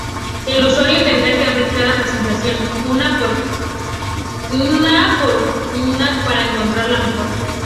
El usuario tendrá que abrir cada presentación, una por una para encontrar la mejor.